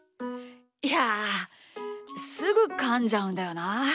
いやすぐかんじゃうんだよなあ。